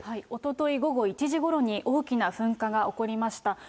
おととい午後１時ごろに大きな噴火が起こりました。